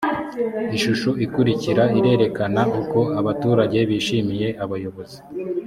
ishusho ikurikira irerekana uko abaturage bishimiye abayobozi